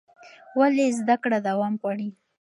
ولې زده کړه دوام غواړي؟